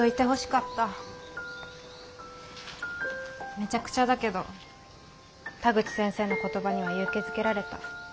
むちゃくちゃだけど田口先生の言葉には勇気づけられた。